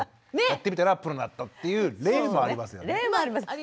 やってみたらプロになったっていう例もありますよね。